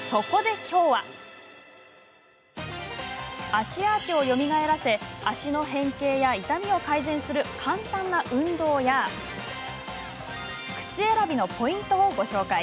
足アーチをよみがえらせ足の変形や痛みを改善する簡単な運動や靴選びのポイントをご紹介。